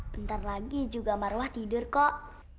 bentar lagi juga marwah tidur kok